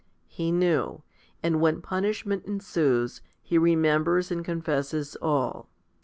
He knew, and when punish ment ensues, he remembers and confesses all.